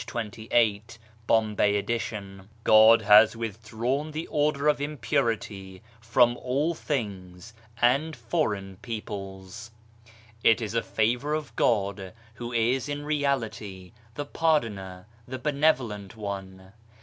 28 {Bombay edition) :" God has withdrawn the order of impurity from all things and foreign peoples ; it is a favour of God who is in reality the Pardoner, the Benevolent One.